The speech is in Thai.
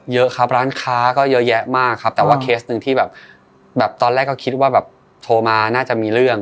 เยอะครับร้านค้าก็เยอะแยะมากครับแต่ว่าเคสหนึ่งที่แบบตอนแรกก็คิดว่าแบบโทรมาน่าจะมีเรื่อง